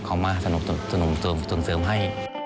เขามาสนุมส่วนเสริมให้